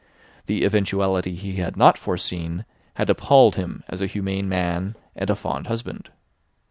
The eventuality he had not foreseen had appalled him as a humane man and a fond husband.